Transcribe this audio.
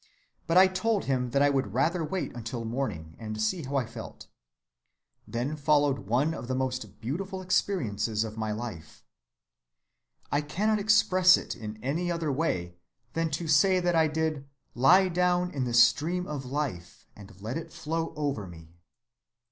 But I told him that I would rather wait until morning and see how I felt. Then followed one of the most beautiful experiences of my life. "I cannot express it in any other way than to say that I did 'lie down in the stream of life and let it flow over me.